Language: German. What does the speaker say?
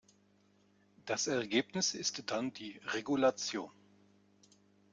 Das Ergebnis ist dann die "Regulation".